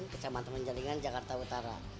kecamatan penjaringan jakarta utara